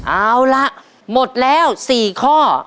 เอาละหมดแล้ว๔ข้อ